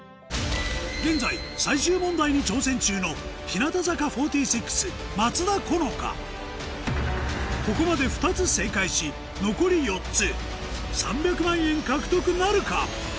現在最終問題に挑戦中のここまで２つ正解し残り４つ３００万円獲得なるか？